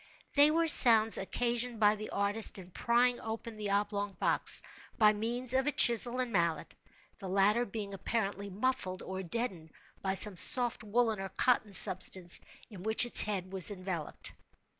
They were sounds occasioned by the artist in prying open the oblong box, by means of a chisel and mallet—the latter being apparently muffled, or deadened, by some soft woollen or cotton substance in which its head was enveloped.